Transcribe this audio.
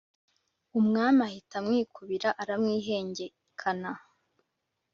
umwami ahita amwikubira aramwihengekana